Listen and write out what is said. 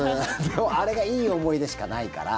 あれがいい思い出しかないから。